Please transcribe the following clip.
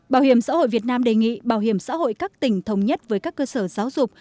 bảo hiểm xã hội việt nam đề nghị bảo hiểm xã hội các tỉnh thống nhất với các cơ sở giáo dục